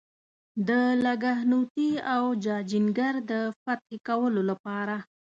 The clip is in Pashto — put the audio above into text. د لکهنوتي او جاجینګر د فتح کولو لپاره.